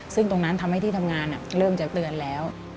ซึ่งตรงนั้นทำให้ที่ทำงานเริ่มจะเตือนแล้ว